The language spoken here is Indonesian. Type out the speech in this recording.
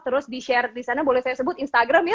terus di share disana boleh saya sebut instagram ya